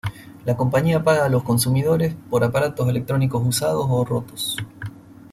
La compañía paga a los consumidores por aparatos electrónicos usados o rotos.